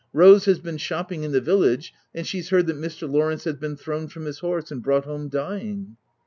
Rose has been shopping in the village, and she's heard that Mr. Lawrence has been thrown from his horse and brought home dying!"